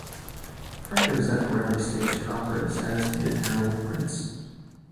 Franco Zeffirelli staged operas as did Harold Prince.